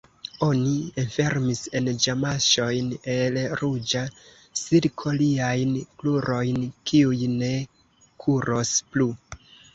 Oni enfermis en gamaŝojn el ruĝa silko liajn krurojn, kiuj ne kuros plu.